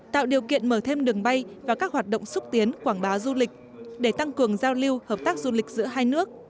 tạo điều kiện mở thêm đường bay và các hoạt động xúc tiến quảng bá du lịch để tăng cường giao lưu hợp tác du lịch giữa hai nước